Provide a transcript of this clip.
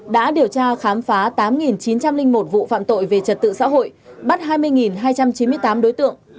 đã điều tra khám phá tám chín trăm linh một vụ phạm tội về trật tự xã hội bắt hai mươi hai trăm chín mươi tám đối tượng